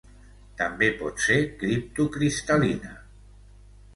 També pot ser criptocristal·lina.